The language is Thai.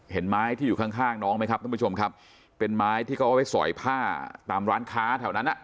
ไม้ที่อยู่ข้างข้างน้องไหมครับท่านผู้ชมครับเป็นไม้ที่เขาเอาไว้สอยผ้าตามร้านค้าแถวนั้นอ่ะ